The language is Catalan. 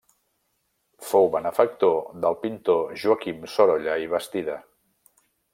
Fou benefactor del pintor Joaquim Sorolla i Bastida.